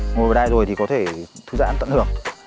ngồi và đai rồi thì có thể thư giãn tận hưởng